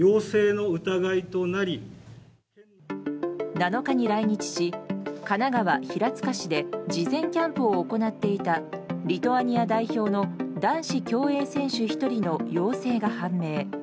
７日に来日し神奈川・平塚市で事前キャンプを行っていたリトアニア代表の男子競泳選手１人の陽性が判明。